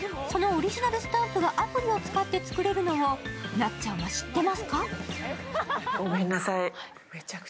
そのオリジナルスタンプがアプリを使って作れるのをなっちゃんは知ってますか？